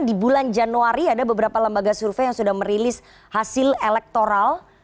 di bulan januari ada beberapa lembaga survei yang sudah merilis hasil elektoral